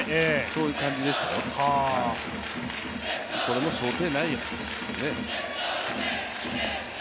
これも想定内やと。